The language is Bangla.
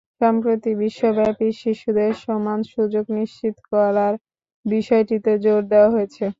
সম্প্রতি বিশ্বব্যাপী শিশুদের সমান সুযোগ নিশ্চিত করার বিষয়টিতে জোর দেওয়া হয়েছে।